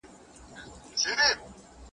په لاس لیکل د سترګو او لاسونو همغږي زیاتوي.